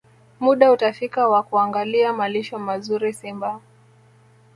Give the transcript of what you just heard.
Muda utafika wa kuangalia malisho mazuri Simba